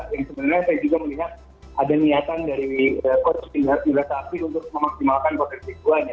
yang sebenarnya saya juga melihat ada niatan dari coach irta shafri untuk memaksimalkan koneksi buahnya